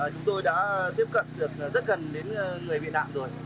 chúng tôi đã tiếp cận được rất gần đến người bị nạn rồi